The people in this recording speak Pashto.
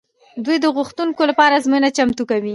دوی د غوښتونکو لپاره ازموینه چمتو کوي.